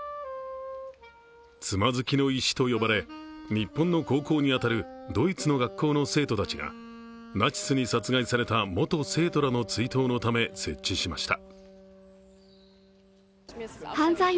つまずきの石と呼ばれ、日本の高校に当たるドイツの学校の生徒たちがナチスに殺害された元生徒らの追悼のため設置しました。